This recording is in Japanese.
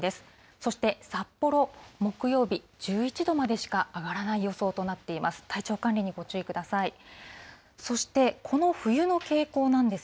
そして札幌、木曜日、１１度までしか上がらない予想となっています。